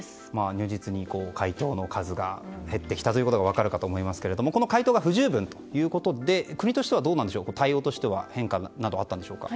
如実に回答の数が減ってきたことが分かりますが回答が不十分ということで国としての対応としては変化などあったんでしょうか。